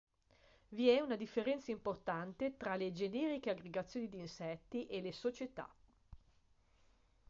Vi è una differenza importante tra le generiche aggregazioni di insetti e le società.